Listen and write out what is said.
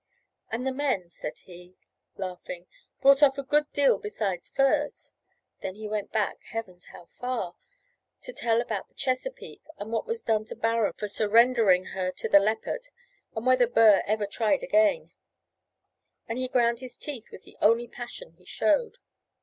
"And the men," said he, laughing, "brought off a good deal beside furs." Then he went back heavens, how far! to ask about the Chesapeake, and what was done to Barron for surrendering her to the Leopard, and whether Burr ever tried again and he ground his teeth with the only passion he showed.